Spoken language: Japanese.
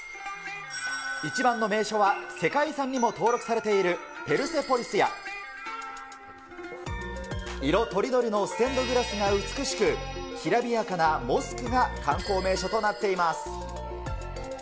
一番の名所は、世界遺産にも登録されているペルセポリスや、色とりどりのステンドグラスが美しく、きらびやかなモスクが観光名所となっています。